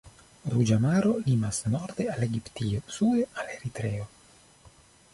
Ruĝa Maro limas norde al Egiptio, sude al Eritreo.